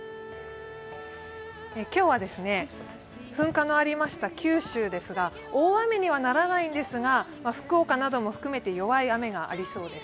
今日は噴火のありました九州ですが大雨にはならないんですが、福岡なども含めて弱い雨が降りそうです。